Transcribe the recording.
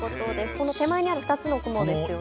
この手前にある２つの雲ですよね。